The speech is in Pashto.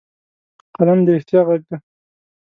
قلم د رښتیا غږ دی